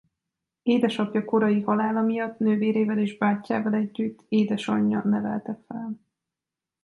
Édesapja korai halála miatt nővérével és bátyjával együtt édesanyja nevelte fel.